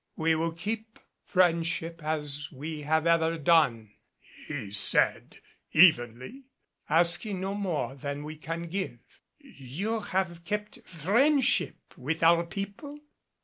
"We will keep friendship as we have ever done," he said evenly, "asking no more than we can give." "You have kept friendship with our people?"